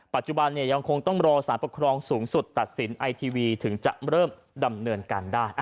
ปัจจุบันยังคงต้องรอสารปกครองสูงสุดตัดสินไอทีวีถึงจะเริ่มดำเนินการได้